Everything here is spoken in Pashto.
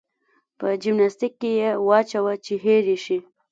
په جمناستيک کې يې واچوه چې هېر يې شي.